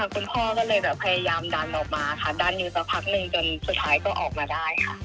คุณพ่อก็เลยแบบพยายามดันออกมาค่ะดันอยู่สักพักหนึ่งจนสุดท้ายก็ออกมาได้ค่ะ